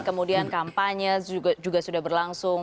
kemudian kampanye juga sudah berlangsung